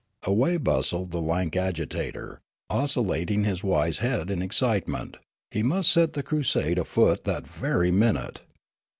Away bustled the lank agitator, oscillating his wise head in excitement ; he must set the crusade afoot that very minute.